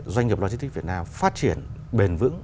doanh nghiệp lôi stick việt nam phát triển bền vững